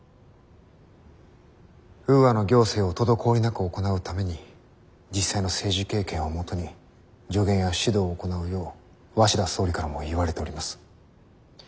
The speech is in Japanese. ウーアの行政を滞りなく行うために実際の政治経験をもとに助言や指導を行うよう鷲田総理からも言われております。